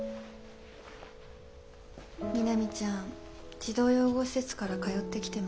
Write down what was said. みなみちゃん児童養護施設から通ってきてます。